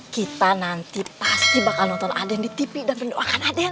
kita nanti pasti bakal nonton aden di tv dan mendoakan aden